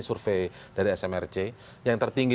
survei dari smrc yang tertinggi